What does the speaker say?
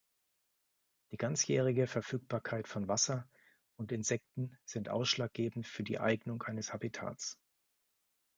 Die ganzjährige Verfügbarkeit von Wasser und Insekten sind ausschlaggebend für die Eignung eines Habitats.